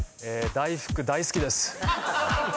大福大好きです！